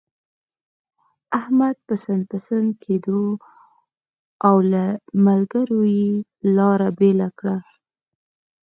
احمد پسن پسن کېدو، او له ملګرو يې لاره بېله کړه.